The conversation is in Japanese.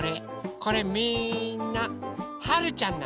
これみんなはるちゃんなの。